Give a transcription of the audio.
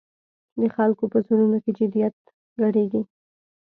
د خلکو په زړونو کې جدیت ګډېږي.